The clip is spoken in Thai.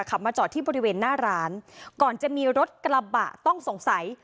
ขับมาจอดที่บริเวณหน้าร้านก่อนจะมีรถกระบะต้องสงสัย